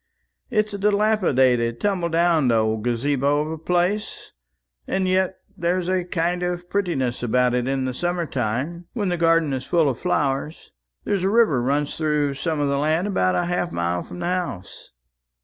It's a dilapidated tumbledown old gazabo of a place, and yet there's a kind of prettiness about it in summer time, when the garden is full of flowers. There's a river runs through some of the land about half a mile from the house."